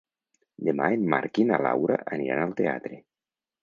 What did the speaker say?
Demà en Marc i na Laura aniran al teatre.